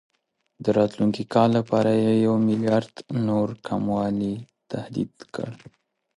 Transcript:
د راتلونکي کال لپاره یې یو میلیارډ نور کموالي تهدید کړ.